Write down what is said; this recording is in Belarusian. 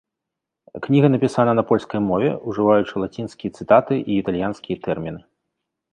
Кніга напісана на польскай мове, ужываючы лацінскія цытаты і італьянскія тэрміны.